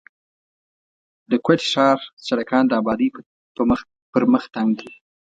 د کوټي ښار سړکان د آبادۍ پر مخ تنګ دي.